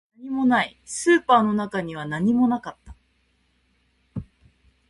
何もない、スーパーの中には何もなかった